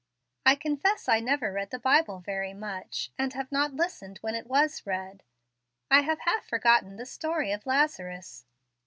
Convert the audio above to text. I confess I never read the Bible very much, and have not listened when it was read. I have half forgotten the story of Lazarus.